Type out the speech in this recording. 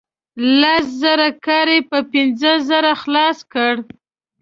لس زره کار یې په پنځه زره خلاص کړ.